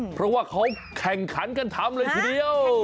เพราะว่าเขาแข่งขันกันทำเลยทีเดียว